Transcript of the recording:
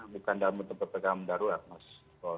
bukan dalam bentuk ppkm darurat mas